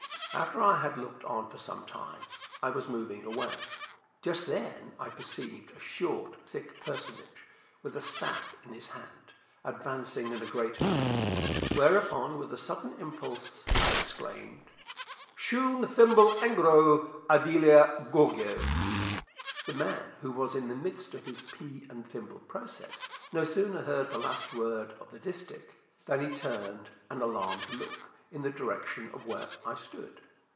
After I had looked on for some time, I was moving away. Just then I perceived a short, thick personage, with a staff in his hand, advancing in a great hurry; whereupon, with a sudden impulse, I exclaimed: "Shoon thimble engro; Avella gorgio!" The man, who was in the midst of his pea and thimble process, no sooner heard the last word of the distich, than he turned an alarmed look in the direction of where I stood.